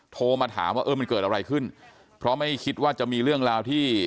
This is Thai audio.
โทรมาถามว่าเออมันเกิดอะไรขึ้นเพราะไม่คิดว่าจะมีเรื่องราวที่